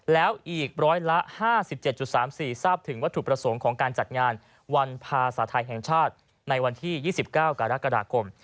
แล้วอีกร้อยละ๕๗๓๔ทราบถึงวัตถุประสงค์ของการจัดงานวันภาษาไทยแห่งชาติในวันที่๒๙กรกฎาคม